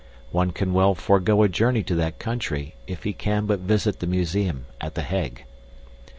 One can well forego a journey to that country if he can but visit the museum at The Hague.